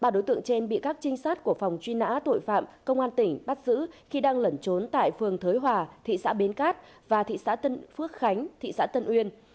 ba đối tượng trên bị các trinh sát của phòng truy nã tội phạm công an tỉnh bắt giữ khi đang lẩn trốn tại phường thới hòa thị xã bến cát và thị xã tân phước khánh thị xã tân uyên